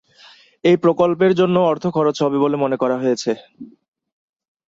এই প্রকল্পের জন্য অর্থ খরচ হবে বলে মনে করা হয়েছে।